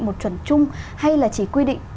một chuẩn chung hay là chỉ quy định